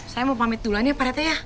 saya mau pamit dulu aja nih pak rete ya